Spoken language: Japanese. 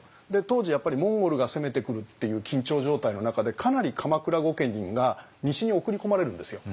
当時やっぱりモンゴルが攻めてくるっていう緊張状態の中でかなり鎌倉御家人が西に送り込まれるんですよ。